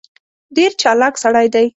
ډېر چالاک سړی دی.